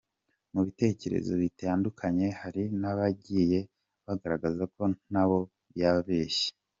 Mu bitekerezo bitandukanye hari nabagiye bagaragaza ko ntaho yabeshye